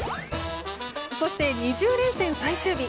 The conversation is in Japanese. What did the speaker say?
そして２０連戦最終日。